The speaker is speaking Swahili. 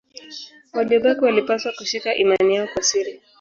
Waliobaki walipaswa kushika imani yao kwa siri.